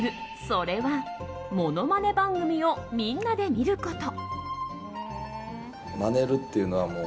それはものまね番組をみんなで見ること。